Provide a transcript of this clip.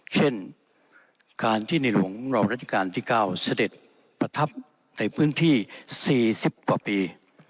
เช่นการที่ในหลวงเราราชการที่๙เสด็จประทับในพื้นที่๔๐กว่าปี